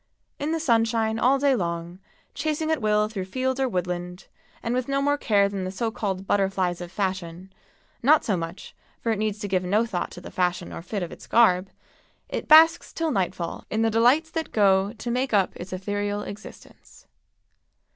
In the sunshine all day long, chasing at will through field or woodland, and with no more care than the so called "butterflies of fashion" (not as much, for it needs to give no thought to the fashion or fit of its garb), it basks till nightfall in the delights that go to make up its ethereal existence.